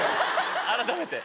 改めて。